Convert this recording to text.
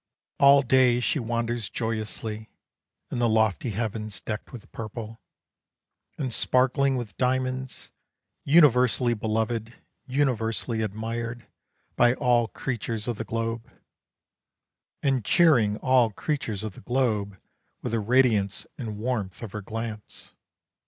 All day she wanders joyously In the lofty heavens, decked with purple, And sparkling with diamonds; Universally beloved, universally admired By all creatures of the globe, And cheering all creatures of the globe With the radiance and warmth of her glance.